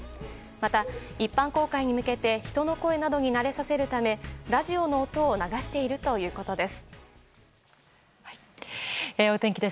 また一般公開に向けて人の声などに慣れさせるためラジオの音を流しているということです。